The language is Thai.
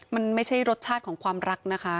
มันไม่ใช่รสชาติของความรักนะคะ